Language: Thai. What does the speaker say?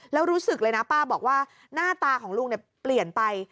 แล้วรู้สึกเลยนะป้าบอกว่าหน้าตาของลุงเปลี่ยนไป